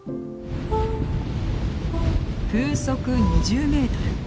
風速２０メートル。